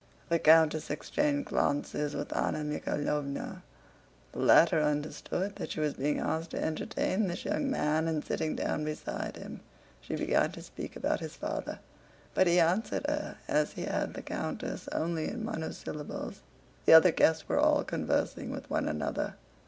The countess exchanged glances with Anna Mikháylovna. The latter understood that she was being asked to entertain this young man, and sitting down beside him she began to speak about his father; but he answered her, as he had the countess, only in monosyllables. The other guests were all conversing with one another.